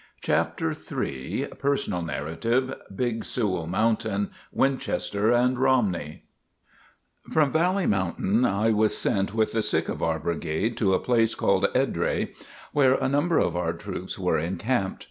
CHAPTER III PERSONAL NARRATIVE BIG SEWELL MOUNTAIN, WINCHESTER AND ROMNEY From Valley Mountain I was sent with the sick of our brigade to a place named Edrai where a number of our troops were encamped.